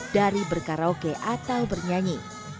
dari berkaraoke atau bernyanyi